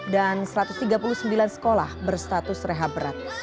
dan satu ratus tiga puluh sembilan sekolah berstatus rehab berat